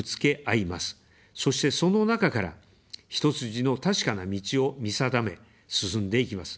そして、その中から、一筋の確かな道を見定め、進んでいきます。